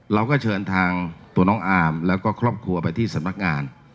เราก็เชิญทางตัวน้องอาร์มแล้วก็ครอบครัวไปที่สำนักงาน